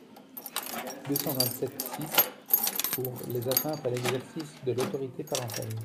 deux cent vingt-sept-six pour les atteintes à l’exercice de l’autorité parentale.